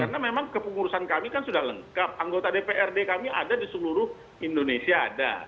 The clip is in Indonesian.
karena memang kepengurusan kami kan sudah lengkap anggota dprd kami ada di seluruh indonesia ada